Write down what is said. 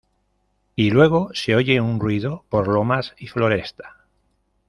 Y luego se oye un ruido por lomas y floresta.